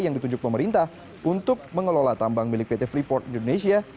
yang ditunjuk pemerintah untuk mengelola tambang milik pt freeport indonesia